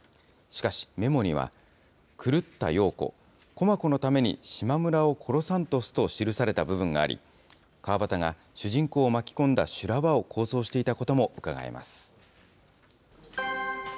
しかしメモには、狂つた葉子、駒子のために島村を殺さんとすと記された部分があり、川端が主人公を巻き込んだ修羅場を想定していたこともうかがえます。